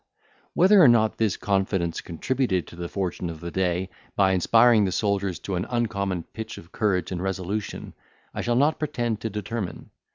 Whether or not this confidence contributed to the fortune of the day, by inspiring the soldiers to an uncommon pitch of courage and resolution, I shall not pretend to determine.